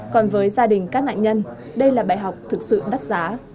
còn với gia đình các nạn nhân đây là bài học thực sự đắt giá